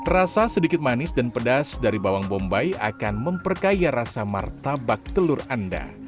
rasa sedikit manis dan pedas dari bawang bombay akan memperkaya rasa martabak telur anda